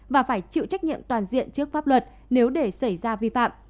và phải chịu trách nhiệm toàn diện trước pháp luật nếu để xảy ra vi phạm